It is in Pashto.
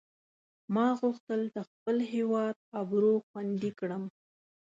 ما غوښتل د خپل هیواد آبرو خوندي کړم.